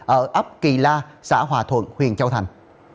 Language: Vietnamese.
ở ấp kỳ la xã hòa thuận huyện châu thành